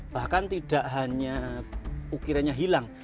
bahkan tidak hanya ukirannya hilang